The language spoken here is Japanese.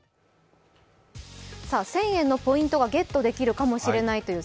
１０００円分のポイントがゲットできるかもしれないという